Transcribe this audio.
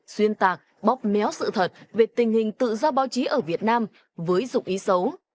xuyên tạc bóp méo sự thật về tình hình tự do báo chí ở việt nam với dụng ý xấu